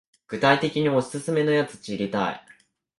具体的にオススメのやつ知りたい